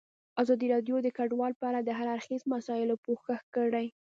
ازادي راډیو د کډوال په اړه د هر اړخیزو مسایلو پوښښ کړی.